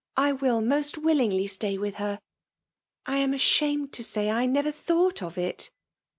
I will most willingly stay with her. I am. ashamed to say, I never thou^it of it!